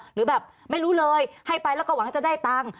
หรือแบบไม่รู้เลยให้ไปแล้วก็หวังจะได้ตังค์